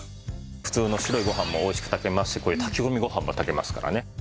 普通の白いご飯もおいしく炊けますしこういう炊き込みご飯も炊けますからね。